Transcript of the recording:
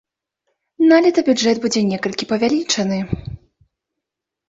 Налета бюджэт будзе некалькі павялічаны.